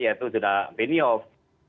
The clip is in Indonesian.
yaitu sudah penihoff